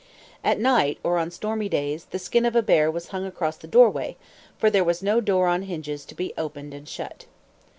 At night, or on stormy days, the skin of a bear was hung across the doorway; for there was no door on hinges to be opened and shut.